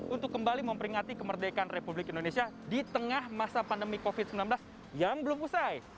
untuk kembali memperingati kemerdekaan republik indonesia di tengah masa pandemi covid sembilan belas yang belum usai